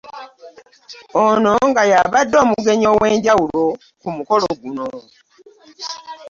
Ono nga y'abadde omugenyi ow'enjawulo ku mukolo guno